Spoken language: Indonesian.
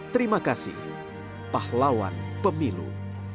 terima kasih pahlawan pemilu